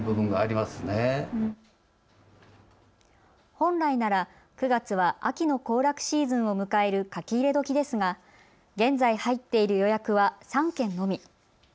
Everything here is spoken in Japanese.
本来なら９月は秋の行楽シーズンを迎える書き入れ時ですが現在入っている予約は３件のみ。